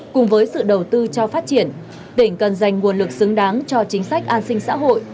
cùng với sự đầu tư cho phát triển tỉnh cần dành nguồn lực xứng đáng cho chính sách an sinh xã hội